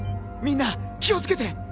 みんな気を付けて！